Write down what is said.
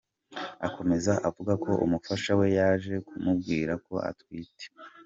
Akomeza avuga ko umufasha we yaje kumubwira ko atwite.